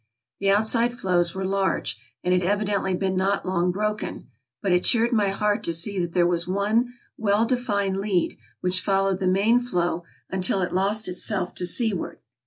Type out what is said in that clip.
The outside floes were large, and had evidently been not long broken ; but it cheered my heart to see that there was one well defined lead which followed the main floe until it lost itself to seaward.